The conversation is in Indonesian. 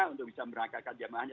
untuk bisa merangkakkan jamaahnya